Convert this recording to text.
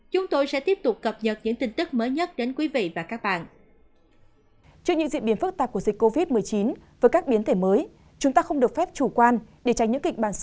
chúng tôi sẽ tiếp tục cập nhật những tin tức mới nhất đến quý vị và các bạn